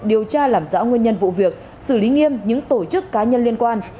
điều tra làm rõ nguyên nhân vụ việc xử lý nghiêm những tổ chức cá nhân liên quan